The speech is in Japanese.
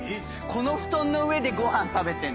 この布団の上でごはん食べてんの？